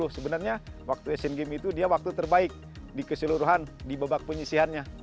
sebenarnya waktu asian games itu dia waktu terbaik di keseluruhan di babak penyisihannya